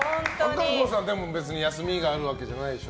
和歌子さん、別に休みがあるわけじゃないでしょ。